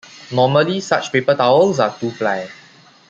Normally such paper towels are two-ply.